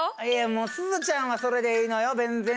いやもうすずちゃんはそれでいいのよ。